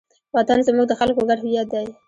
وطن زموږ د خلکو ګډ هویت دی.